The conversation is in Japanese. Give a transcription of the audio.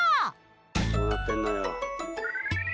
どうなってんのよ？